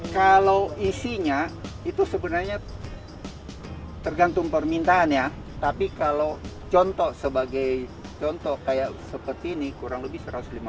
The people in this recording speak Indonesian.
kalau isinya itu sebenarnya tergantung permintaannya tapi kalau contoh seperti ini kurang lebih satu ratus lima puluh